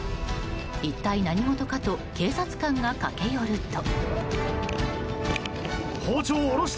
一体何事かと警察官が駆け寄ると。